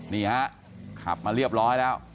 นี่ฮะขับมาเรียบร้อยแล้ว